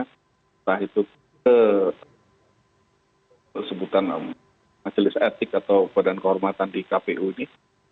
setelah itu tersebutkan masjid etik atau kehormatan di kpu ini